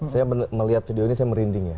saya melihat video ini saya merinding ya